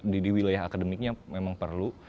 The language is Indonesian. di wilayah akademiknya memang perlu